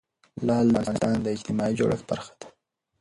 لعل د افغانستان د اجتماعي جوړښت برخه ده.